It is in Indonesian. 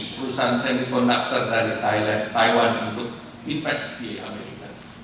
perusahaan seni konduktor dari taiwan untuk investasi di amerika